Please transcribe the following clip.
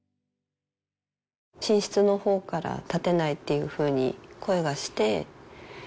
寝室のほうから「立てない」っていうふうに声がして。